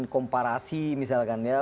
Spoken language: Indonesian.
komparasi misalkan ya